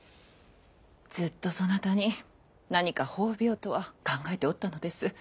ずっとそなたに何か褒美をとは考えておったのです。